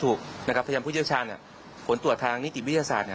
ถูกนะคะพยานผู้เยี่ยมชาญเนี่ยผลตรวจทางนิติวิทยาศาสตร์เนี่ย